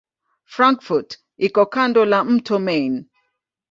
Frankfurt iko kando la mto Main.